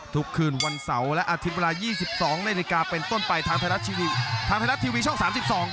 ทุกคืนวันเสาร์และอาทิตย์เวลา๒๒นนาฬิกาเป็นต้นไปทางไทยรัฐทีวีช่อง๓๒